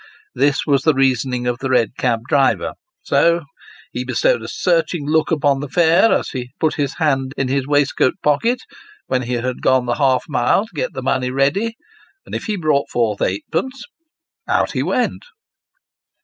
This was the reasoning of the red cab driver. So he bestowed The Red Cab Driver in Trouble. 107 a searching look upon the fare, as he put his hand in his waistcoat pocket, when he had gone half the mile, to get the money ready ; and if he brought forth eightpence, out he went.